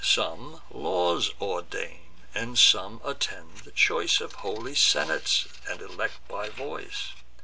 Some laws ordain; and some attend the choice Of holy senates, and elect by voice.